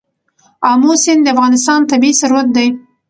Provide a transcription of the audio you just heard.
آمو سیند د افغانستان طبعي ثروت دی.